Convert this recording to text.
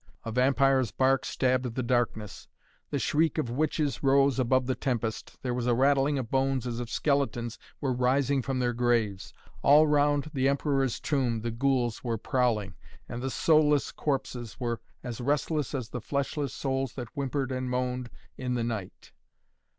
A vampire's bark stabbed the darkness; the shriek of witches rose above the tempest, there was a rattling of bones as if skeletons were rising from their graves. All round the Emperor's Tomb the ghouls were prowling, and the soulless corpses were as restless as the fleshless souls that whimpered and moaned in the night.